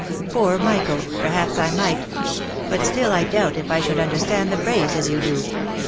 " Poor Michael ! perhaps I might ; but still I doubt if I should understand the phrase as you do.